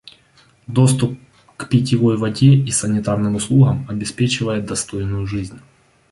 Доступ к питьевой воде и санитарным услугам обеспечивает достойную жизнь.